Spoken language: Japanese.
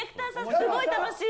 すごい楽しい。